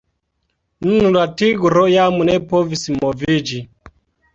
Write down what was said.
Nun la tigro jam ne povis moviĝi.